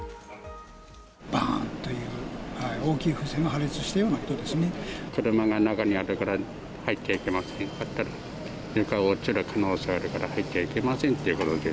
ばーんという大きい風船が破車が中にあるから、入っちゃいけませんかと言ったら、床が落ちる可能性があるから入っちゃいけませんということで。